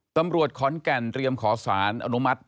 ตำรวจขอนแก่นเตรียมขอสารอนุมัติ